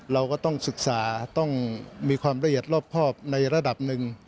เราก็ต้องศึกษาต้องมีความละเอียดรอบครอบในระดับหนึ่ง